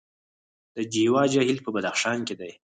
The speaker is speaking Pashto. د شیوا جهیل په بدخشان کې دی